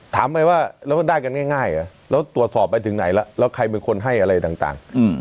ถามไปว่าแล้วได้กันง่ายเหรอแล้วตรวจสอบไปถึงไหนแล้วแล้วใครเป็นคนให้อะไรต่าง